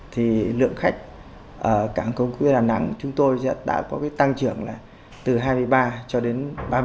thì lượng khách ở cảng không quốc tế đà nẵng chúng tôi đã có tăng trưởng từ hai mươi ba cho đến ba mươi năm